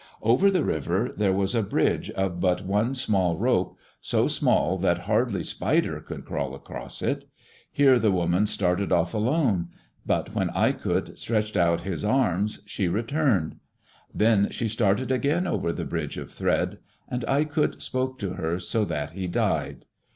Over the river there was a bridge of but one small rope, so small that hardly Spider could crawl across it. Here the woman started off alone, but when Aikut stretched out his arms, she returned. Then she started again over the bridge of thread. And Aikut spoke to her, so that he died.